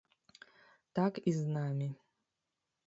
Так і з намі.